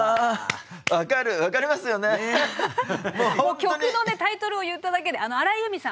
曲のねタイトルを言っただけで荒井由実さん